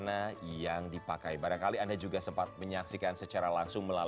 ayu duhur pinter mewah lah